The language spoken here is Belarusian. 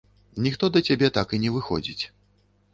Ніхто да цябе так і не выходзіць.